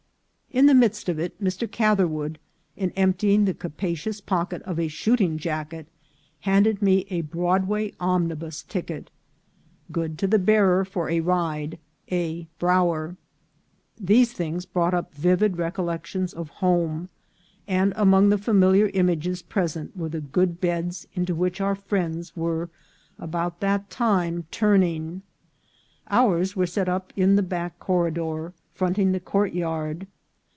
In the midst of it Mr. Catherwood, in emptying the capacious pocket of a shooting jacket, handed me a Broadway omnibus ticket: " Good to the bearer for a ride, " A. Brower." These things brought up vivid recollections of home, and among the familiar images present were the good beds FIRST NIGHT AT THE RUINS. 303 into which our friends were about that time turning. Ours were set up in the back corridor, fronting the court yard.